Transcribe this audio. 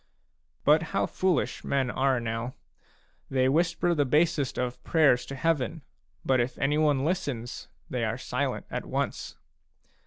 But how foolish men are now ! They whisper the basest of prayers to heaven ; but if anyone listens, they are silent at once.